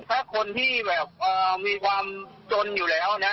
ถ้าคนที่แบบมีความจนอยู่แล้วนะ